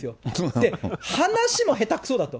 で、話も下手くそだと。